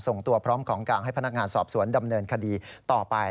ส่งตัวพร้อมของกลางให้พนักงานสอบสวนดำเนินคดีต่อไป